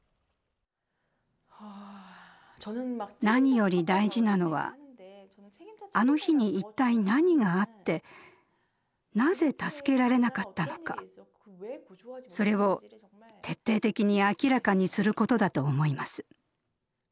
何より大事なのはあの日に一体何があってなぜ助けられなかったのかそれを徹底的に明らかにすることだと思います。